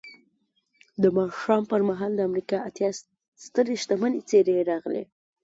د ماښام پر مهال د امریکا اتیا سترې شتمنې څېرې راغلې